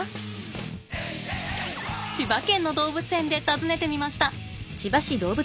千葉県の動物園で尋ねてみました。